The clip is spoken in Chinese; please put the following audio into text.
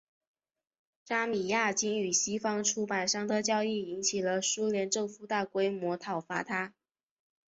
扎米亚京与西方出版商的交易引起苏联政府大规模挞伐他。